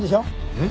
えっ？